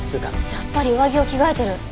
やっぱり上着を着替えてる。